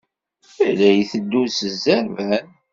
Yella iteddu s zzerban.